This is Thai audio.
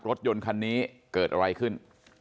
รถยนต์คันนี้เกิดอะไรขึ้น